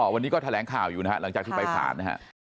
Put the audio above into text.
วันนี้ก็แถลงข่าวอยู่นะฮะหลังจากที่ไปสารนะฮะ